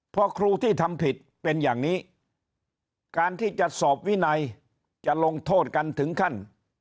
พอครูที่ทำผิดเป็นอย่างนี้การที่จะสอบวินัยจะลงโทษกันถึงขั้น